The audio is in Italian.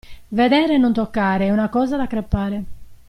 Vedere e non toccare è una cosa da crepare.